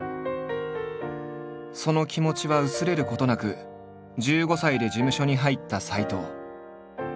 その気持ちは薄れることなく１５歳で事務所に入った斎藤。